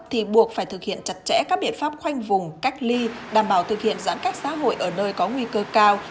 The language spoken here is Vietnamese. thì buộc phải thực hiện chặt chẽ các biện pháp khoanh vùng cách ly đảm bảo thực hiện giãn cách xã hội ở nơi có nguy cơ cao